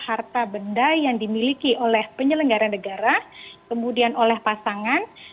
harta benda yang dimiliki oleh penyelenggara negara kemudian oleh pasangan